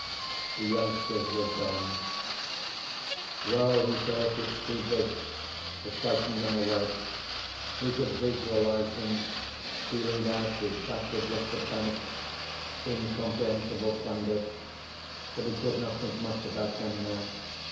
The youngsters were gone. Well, he thought, it's too big. It frightened them away. He could visualize them, stealing out with backward looks of panic. Incomprehensible thunder. But he could not think much about them now.